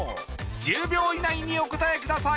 １０秒以内にお答えください